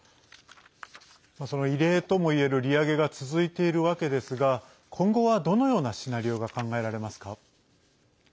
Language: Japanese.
その異例ともいえる利上げが続いているわけですが今後は、どのようなシナリオが考えられますか。